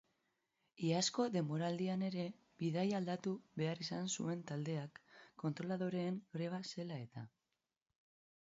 Iazko denboraldian ere bidaia aldatu behar izan zuen taldeak kontroladoreen greba zela eta.